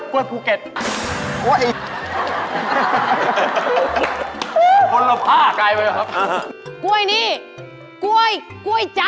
กล้วยติดกับกะแพงเพชร